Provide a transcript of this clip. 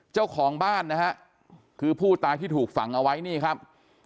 เจ้าของบ้านนะฮะคือผู้ตายที่ถูกฝังเอาไว้นี่ครับ